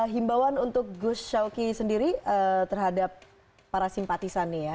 himbauan untuk gus shawky sendiri terhadap para simpatisan nih